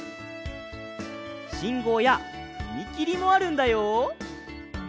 しんごうやふみきりもあるんだよ